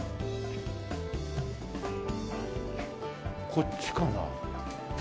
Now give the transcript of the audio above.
こっちかな？